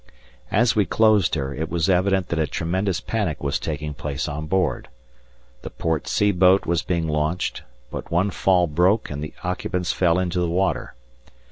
As we closed her, it was evident that a tremendous panic was taking place on board. The port sea boat was being launched, but one fall broke and the occupants fell into the water.